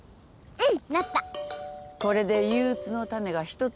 うん！